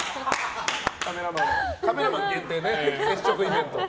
カメラマン限定ね接触イベント。